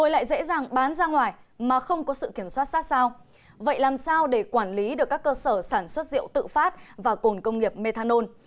làm sao để quản lý được các cơ sở sản xuất rượu tự phát và cồn công nghiệp methanol